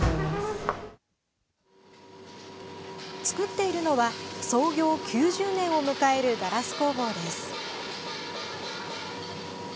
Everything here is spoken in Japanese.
作っているのは創業９０年を迎えるガラス工房です。